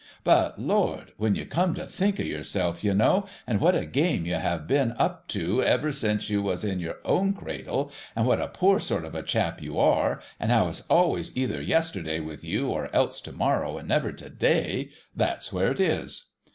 But, Lord ! when you come to think of yourself, you know, and what a game you have been up to ever since you was in your own cradle, and what a poor sort of a chap you are, and how it's always either Yesterday with you, or else To morrow, and never To day, that's where it is